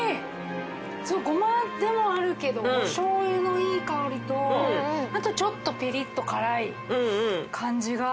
ゴマでもあるけどお醤油のいい香りとあとちょっとピリっと辛い感じが。